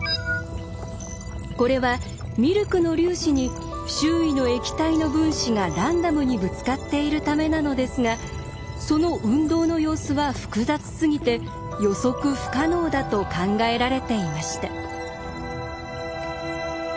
これはミルクの粒子に周囲の液体の分子がランダムにぶつかっているためなのですがその運動の様子は複雑すぎて予測不可能だと考えられていました。